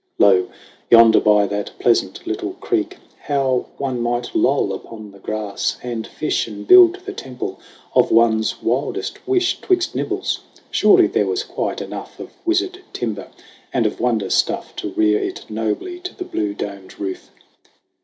Lo, yonder by that pleasant little creek, How one might loll upon the grass and fish And build the temple of one's wildest wish 'Twixt nibbles ! Surely there was quite enough Of wizard timber and of wonder stuff To rear it nobly to the blue domed roof!